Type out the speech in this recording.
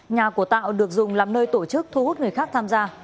nhà của tạo được dùng làm nơi tổ chức thu hút người khác tham gia